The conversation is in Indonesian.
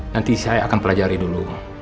nanti saya akan pelajari dulu